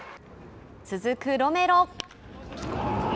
続くロメロ。